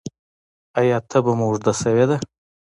ایا تبه مو اوږده شوې ده؟